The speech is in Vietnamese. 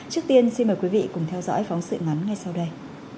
trước tiên xin mời quý vị cùng theo dõi phóng sự ngắn ngay sau đây